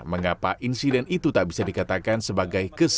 mengapa insiden itu tak bisa dikatakan sebagai kesalahan